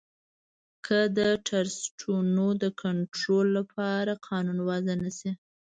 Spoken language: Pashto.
که د ټرسټونو د کنترول لپاره قانون وضعه نه شي